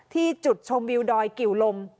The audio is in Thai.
ที่จุดชมวิวดอยกิวลม